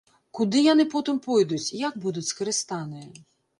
Куды яны потым пойдуць, як будуць скарыстаныя?